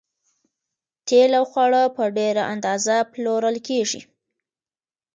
تیل او خواړه په ډیره اندازه پلورل کیږي